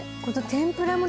天ぷらも。